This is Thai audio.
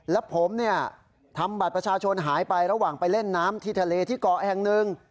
แล้วผมเนี่ยทำบัตรประชาชนหายไประหว่างไปเล่นน้ำที่ทะเลที่เกาะแห่งหนึ่ง